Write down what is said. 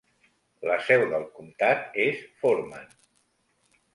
La seu del comtat és Forman.